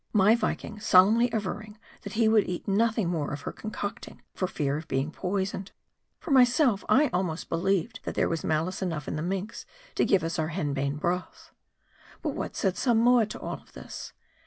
My Viking solemnly averring, that he would eat nothing more of her concocting, for fear of being poisoned. For myself, I almost believed, that there was malice enough in the minx to give us our henbane broth. But what said Samoa to all this